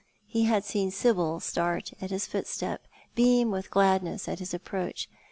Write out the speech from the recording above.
He had seen Sibyl start at his footstep — beam with gladness at his approach.